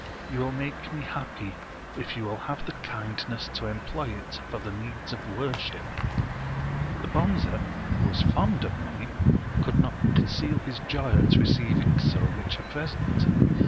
You will make me happy, if you will have the kindness to employ it for the needs of wor ship." The Bonze, who was fond of money, could not conceal his joy at receiving so rich a present.